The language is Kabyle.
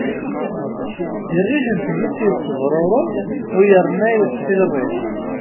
Irrij n tmes yettebṛuṛuq u yerna yettiṛṛiq.